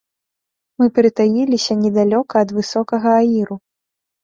Мы прытаіліся недалёка ад высокага аіру.